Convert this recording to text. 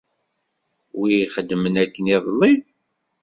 Wi i ixedmen akken iḍelli?